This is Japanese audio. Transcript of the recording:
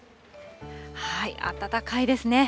暖かいですね。